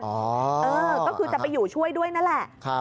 เออก็คือจะไปอยู่ช่วยด้วยนั่นแหละ